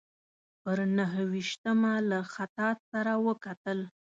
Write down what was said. پر نهه ویشتمه له خطاط سره وکتل.